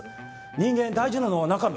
人間大事なのは中身。